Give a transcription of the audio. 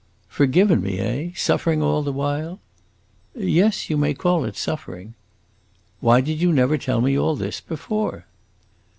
"Forgiven me, eh? Suffering all the while?" "Yes, you may call it suffering." "Why did you never tell me all this before?"